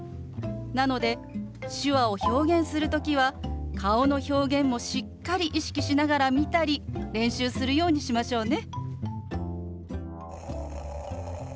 なので手話を表現する時は顔の表現もしっかり意識しながら見たり練習するようにしましょうね。